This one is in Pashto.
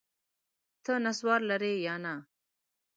ته نسوار لرې یا نه؟